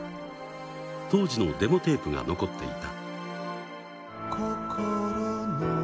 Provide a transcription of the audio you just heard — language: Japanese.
当時のデモテープが残っていた。